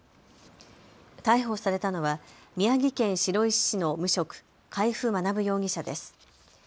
逮捕されたのは宮城県白石市の無職、海部学容疑者です。